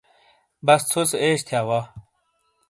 بس ژو سے عیش تھیا وا ۔